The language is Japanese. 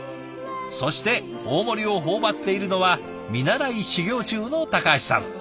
そして大盛りを頬張っているのは見習い修業中の高橋さん。